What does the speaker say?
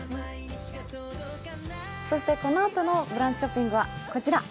このあとのブランチショッピングはこちら。